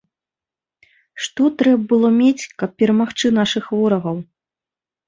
Што трэ было мець, каб перамагчы нашых ворагаў?